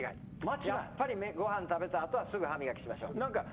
やっぱりごはん食べたあとはやっぱりすぐ歯磨きしましょう。